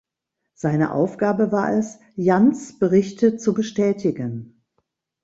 Seine Aufgabe war es, Jansz’ Berichte zu bestätigen.